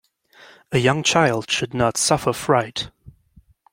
A young child should not suffer fright.